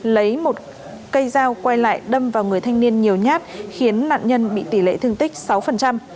lấy một cây dao quay lại đâm vào người thanh niên nhiều nhát khiến nạn nhân bị tỷ lệ thương tích sáu